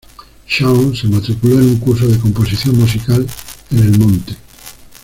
Shawn se matriculó en un curso de composición musical en el monte.